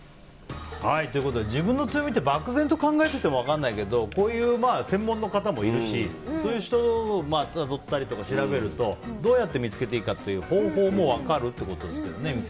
自分の強みって漠然と考えてても分からないけどこういう専門の方もいるしそういう人をたどったりとか調べるとどうやって見つけていいかっていう方法も分かるってことですけどね。